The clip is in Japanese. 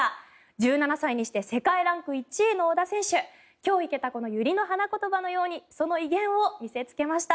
１７歳にして世界ランク１位の小田選手。今日生けたこのユリの花言葉のようにその威厳を見せつけました。